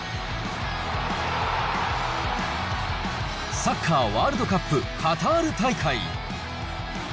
サッカーワールドカップ、カタール大会。